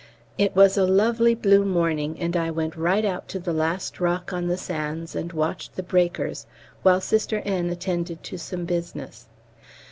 It was a lovely blue morning, and I went right out to the last rock on the sands and watched the breakers while Sister N. attended to some business.